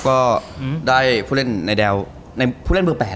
ก็ได้ผู้เล่นในแนวในผู้เล่นเบอร์๘